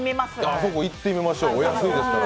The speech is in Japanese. あそこ行ってみましょう、お安いですしね。